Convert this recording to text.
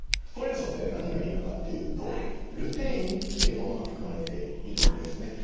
ホウレンソウって何がいいのかっていうとルテインというものが含まれているんですね。